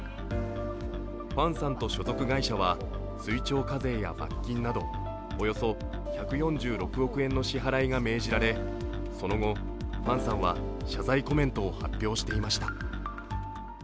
ファンさんと所属会社は追徴課税や罰金などおよそ１４６億円の支払いが命じられその後ファンさんは謝罪コメントを発表していました。